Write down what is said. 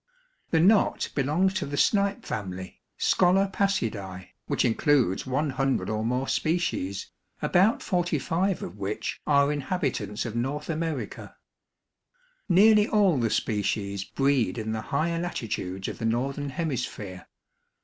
The Knot belongs to the Snipe family (Scolopacidae), which includes one hundred or more species, about forty five of which are inhabitants of North America. Nearly all the species breed in the higher latitudes of the northern hemisphere.